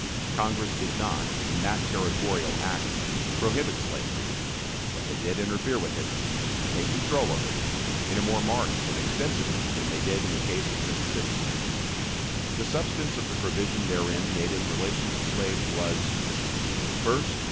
Congress did not, in the Territorial Act, prohibit slavery; but they did interfere with it take control of it in a more marked and extensive way than they did in the case of Mississippi. The substance of the provision therein made in relation to slaves was: 1st.